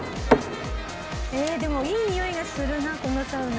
えでもいいにおいがするなこのサウナ。